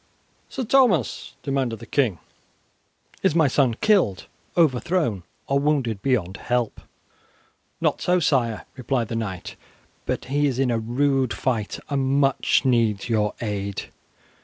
"Sir Thomas," demanded the king, "is my son killed, overthrown, or wounded beyond help?" "Not so, sire," replied the knight, "but he is in a rude fight, and much needs your aid."